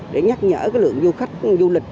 để nhắc nhở lượng du khách du lịch